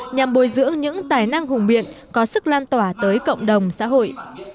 nhằm bồi dưỡng những tài năng hùng biện có sức lan tỏa tới cộng đồng xã hội